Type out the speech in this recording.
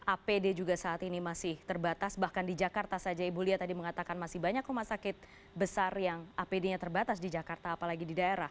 apd juga saat ini masih terbatas bahkan di jakarta saja ibu lia tadi mengatakan masih banyak rumah sakit besar yang apd nya terbatas di jakarta apalagi di daerah